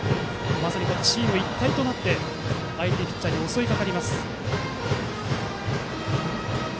まさにチーム一体となって相手ピッチャーに襲いかかります。